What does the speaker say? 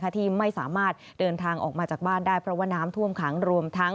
ที่ไม่สามารถเดินทางออกมาจากบ้านได้เพราะว่าน้ำท่วมขังรวมทั้ง